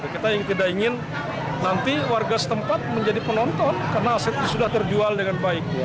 kita yang tidak ingin nanti warga setempat menjadi penonton karena asetnya sudah terjual dengan baik